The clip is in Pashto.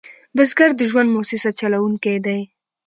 بزګر د ژوند موسسه چلوونکی دی